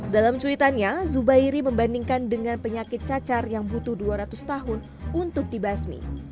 dalam cuitannya zubairi membandingkan dengan penyakit cacar yang butuh dua ratus tahun untuk dibasmi